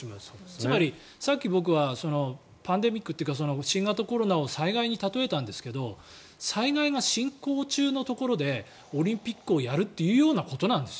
つまり、さっき僕はパンデミックというか新型コロナを災害に例えたんですけど災害が進行中のところでオリンピックをやるというようなことなんです。